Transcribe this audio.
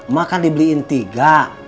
makan dibeliin tiga